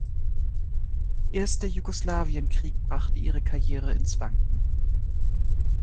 Erst der Jugoslawien-Krieg brachte ihre Karriere ins Wanken.